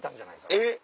えっ。